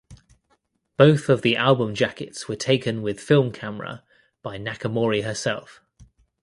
Both of the album jackets were taken with film camera by Nakamori herself.